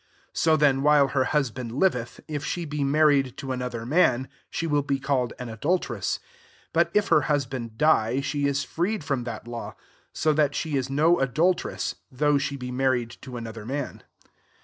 3 So then, while Atfr hus band liveth, if she be married to another man, she will be called an adultress: but if her husband die, she is freed from that law; so that she is no adultress, though she be mar ried to another man.